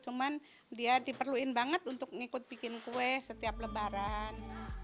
cuma dia diperluin banget untuk ikut bikin kue setiap lebaran